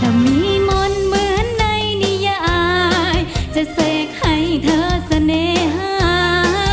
มนต์เหมือนในนิยายจะเสกให้เธอเสน่หา